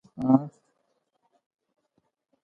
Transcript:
د خپل ټول ژوند او د هغه رازونو کیسې کوي.